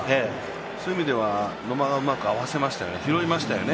そういう意味では、野間がうまく合わせましたよね、拾いましたよね。